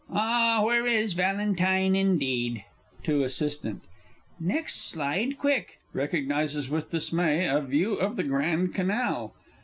Ah, where is Valentine, indeed? (To ASS.) Next slide quick! (_Recognises with dismay a View of the Grand Canal.